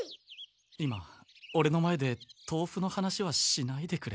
今オレの前でとうふの話はしないでくれ。